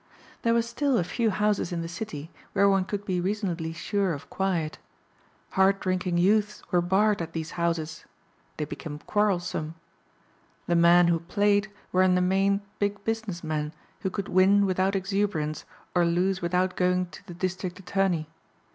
There were still a few houses in the city where one could be reasonably sure of quiet. Hard drinking youths were barred at these houses. They became quarrelsome. The men who played were in the main big business men who could win without exhuberance or lose without going to the district attorney.